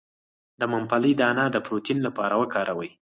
د ممپلی دانه د پروتین لپاره وکاروئ